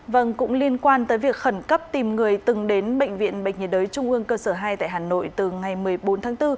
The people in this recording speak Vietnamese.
vâng cũng liên quan tới việc khẩn cấp tìm người từng đến bệnh viện bệnh nhiệt đới trung ương cơ sở hai tại hà nội từ ngày một mươi bốn tháng bốn